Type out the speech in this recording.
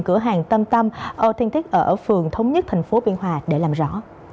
cửa hàng tâm tâm authentic ở phường thống nhất tp biên hòa để làm rõ